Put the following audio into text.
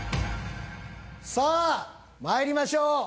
さあまいりましょう。